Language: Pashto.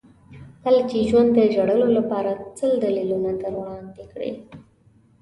کله چې ژوند د ژړلو لپاره سل دلیلونه وړاندې کړي.